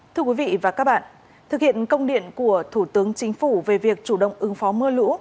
thưa quý vị và các bạn thực hiện công điện của thủ tướng chính phủ về việc chủ động ứng phó mưa lũ